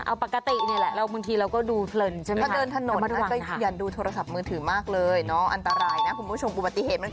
เอาปกตินี่แหละแล้วบางทีเราก็ดูบ